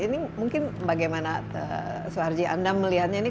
ini mungkin bagaimana suharji anda melihatnya ini